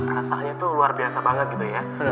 rasanya itu luar biasa banget gitu ya